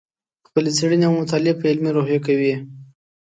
خپلې څېړنې او مطالعې په علمي روحیه کوې.